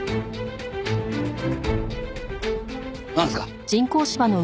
なんですか？